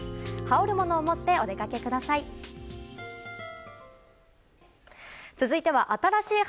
羽織るものを持ってお出かけください。